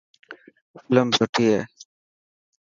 فلم سٺي هئي.